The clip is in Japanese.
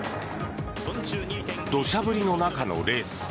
土砂降りの中のレース。